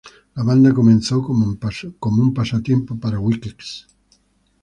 La banda comenzó como un pasatiempo para Weekes.